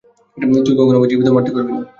তুই কখনো আমাকে জীবিত মারতে পারবি না!